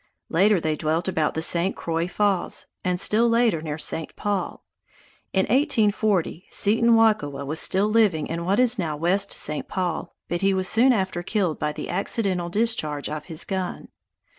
Later they dwelt about St. Croix Falls, and still later near St. Paul. In 1840, Cetanwakuwa was still living in what is now West St. Paul, but he was soon after killed by the accidental discharge of his gun.